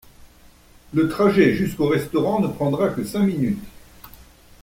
La trajet jusqu'au restaurant ne prendra que cinq minutes.